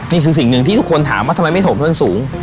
นี่คือสิ่งหนึ่งที่ทุกคนถามว่าทำไมไม่ถมเพิ่มสูง